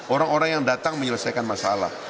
orang orang yang datang menyelesaikan masalah